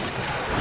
あ！